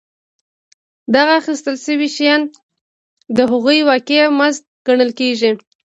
دغه اخیستل شوي شیان د هغوی واقعي مزد ګڼل کېږي